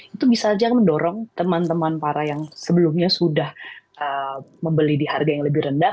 itu bisa aja mendorong teman teman para yang sebelumnya sudah membeli di harga yang lebih rendah